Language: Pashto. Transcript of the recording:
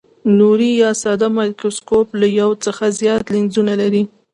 نوري یا ساده مایکروسکوپ له یو څخه زیات لینزونه لري.